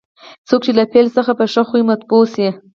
څوک چې له پیل څخه په ښه خوی مطبوع شي.